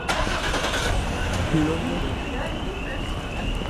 Lomo.